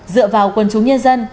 dựa vào quân chúng nhân dân